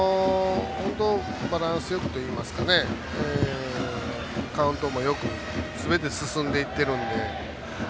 バランスよくといいますかカウントもよくすべて進んでいっているので。